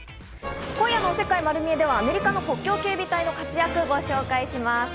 今夜の『世界まる見え！』ではアメリカの国境警備隊の活躍をご紹介します。